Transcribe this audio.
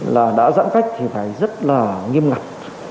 là đã giãn cách thì phải rất là nghiêm ngặt